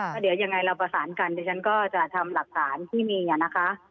ถ้าเดี๋ยวยังไงเราประสานกันเดี๋ยวฉันก็จะทำหลักฐานที่มีนะคะ